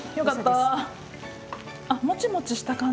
あもちもちした感じする。